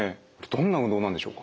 どんな運動なんでしょうか？